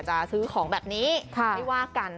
จะซื้อของแบบนี้ไม่ว่ากัน